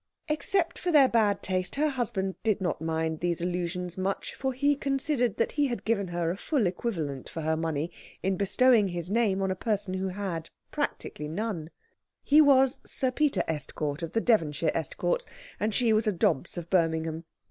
Except for their bad taste her husband did not mind these allusions much, for he considered that he had given her a full equivalent for her money in bestowing his name on a person who had practically none: he was Sir Peter Estcourt of the Devonshire Estcourts, and she was a Dobbs of Birmingham.